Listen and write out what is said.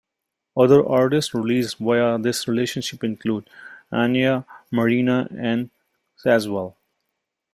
Other artists released via this relationship include Anya Marina and Cazwell.